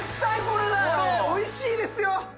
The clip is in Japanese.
これおいしいですよ。